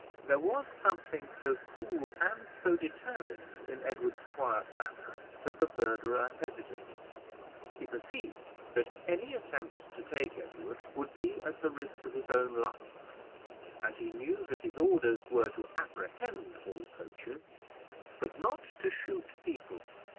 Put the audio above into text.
There was something so cool and so determined in Edward's quiet manner, that the verderer hesitated. He perceived that any attempt to take Edward would be at the risk of his own life; and he knew that his orders were to apprehend all poachers, but not to shoot people.